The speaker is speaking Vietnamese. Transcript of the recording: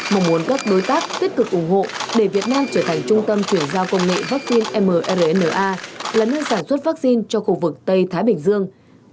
mong muốn các đối tác tích cực ủng hộ để việt nam trở thành trung tâm chuyển giao công nghệ vaccine mrna là nơi sản xuất vaccine cho khu vực tây thái bình dương